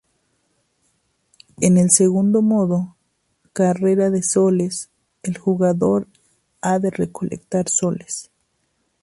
En el segundo modo, Carrera de Soles, el jugador ha de recolectar Soles.